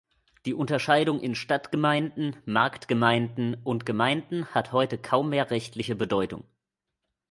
Die Unterscheidung in Stadtgemeinden, Marktgemeinden und Gemeinden hat heute kaum mehr rechtliche Bedeutung.